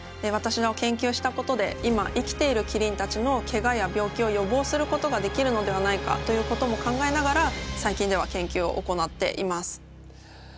私の研究したことで今生きているキリンたちのけがや病気を予防することができるのではないかということも考えながら最近では研究を行っています。